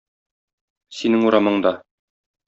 Синең урамыңда